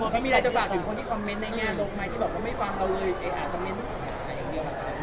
มีอะไรจะบอกถึงคนที่คอมเมนต์ในงานลงไปที่บอกว่าไม่ฟังเราเลยอาจจะเมนต์ใครอย่างเดียวล่ะ